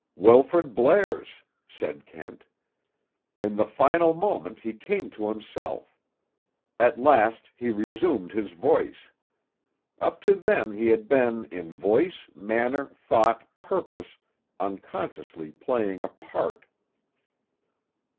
"Wilfrid Blair's," said Kent. "In the final moment he came to himself. At last he resumed his voice. Up to then he had been, in voice, manner, thought, purpose, unconsciously playing a part."